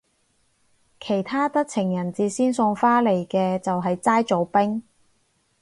其他得情人節先送花嚟嘅就係齋做兵